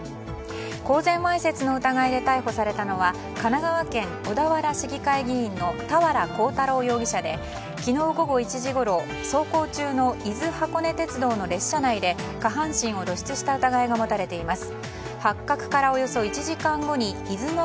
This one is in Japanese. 公然わいせつの疑いで逮捕されたのは神奈川県小田原市議会議員の俵鋼太郎容疑者で昨日午後１時ごろ走行中の伊豆箱根鉄道の列車内で下半身を露出した疑いが持たれています。